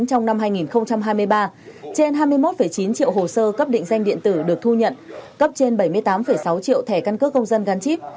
trong năm hai nghìn hai mươi ba trên hai mươi một chín triệu hồ sơ cấp định danh điện tử được thu nhận cấp trên bảy mươi tám sáu triệu thẻ căn cước công dân gắn chip